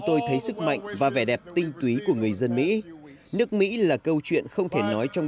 tôi thấy sức mạnh và vẻ đẹp tinh túy của người dân mỹ nước mỹ là câu chuyện không thể nói trong